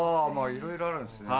いろいろあるんですね。